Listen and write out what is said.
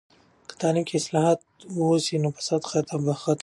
که تعلیم کې اصلاحات وسي، نو فساد به ختم سي.